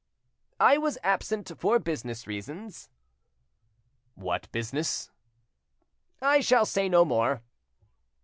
"I was absent for business reasons." "What business?" "I shall say no more."